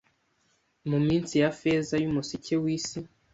Mu minsi ya feza yumuseke wisi